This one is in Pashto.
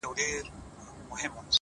دا ستا د مستو گوتو له سيتاره راوتلي;